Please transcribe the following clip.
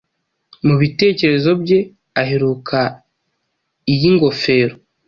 Mubitekerezo bye aheruka i yingofero